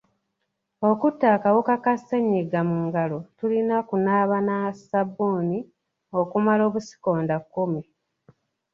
Okutta akawuka ka ssenyiga mu ngalo tulina kunaaba na ssabbuuni okumala obusikonda kkumi.